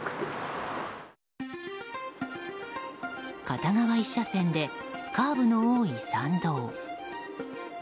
片側１車線でカーブの多い山道。